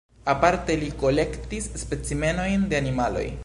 Aparte li kolektis specimenojn de animaloj.